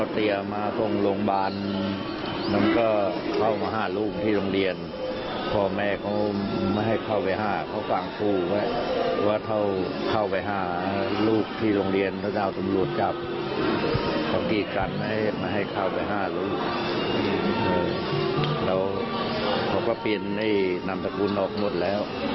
เขาก็เปลี่ยนให้นำสกุลออกหมดแล้ว